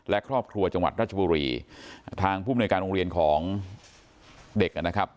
และครอบครัวจังหวัดราชบุรีทางผู้มนุยการโรงเรียนของเด็กนะครับ